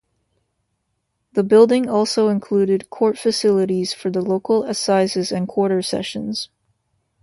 The building also included court facilities for the local assizes and quarter sessions.